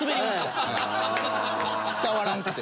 伝わらんくて。